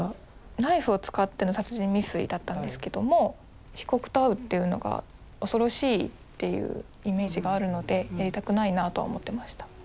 ナイフを使っての殺人未遂だったんですけども被告と会うっていうのが恐ろしいっていうイメージがあるのでやりたくないなとは思ってました。